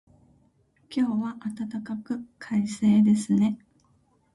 今日は暖かく、快晴ですね。